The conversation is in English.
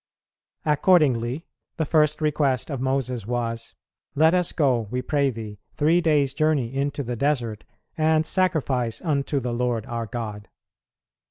Accordingly the first request of Moses was, "Let us go, we pray thee, three days' journey into the desert, and sacrifice unto the Lord our God."